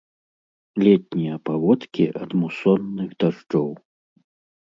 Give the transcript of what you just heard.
Летнія паводкі ад мусонных дажджоў.